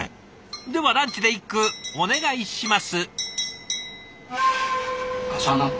ではランチで一句お願いします。